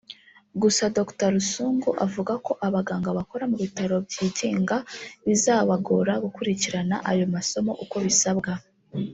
Gusa Dr Rusungu avuga ko abaganga bakora mu bitaro byigenga bizabagora gukurikiran aya masomo uko bisabwa